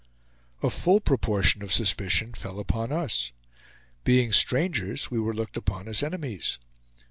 A full proportion of suspicion fell upon us. Being strangers we were looked upon as enemies.